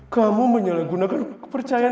kamu menyalahgunakan kepercayaan